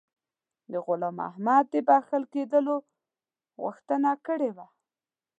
د غلام محمد د بخښل کېدلو غوښتنه کړې وه.